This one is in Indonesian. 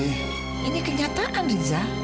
ini kenyataan riza